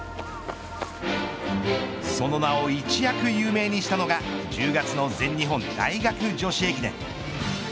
その名を一躍有名にしたのが１０月の全日本大学女子駅伝。